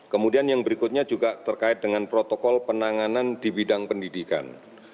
kemudian yang berikutnya juga terkait dengan protokol penanganan di bidang pendidikan